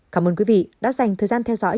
cảm ơn quý vị đã dành thời gian theo dõi